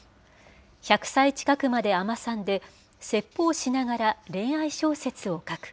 １００歳近くまで尼さんで、説法しながら、恋愛小説を書く。